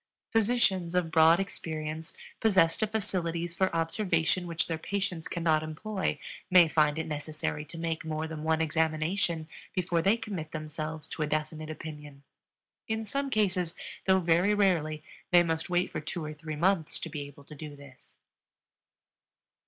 Physicians of broad experience, possessed of facilities for observation which their patients cannot employ, may find it necessary to make more than one examination before they commit themselves to a definite opinion; in some cases, though very rarely, they must wait for two or three months to be able to do this.